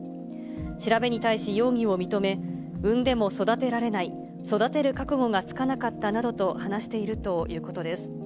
調べに対し、容疑を認め、産んでも育てられない、育てる覚悟がつかなかったなどと話しているということです。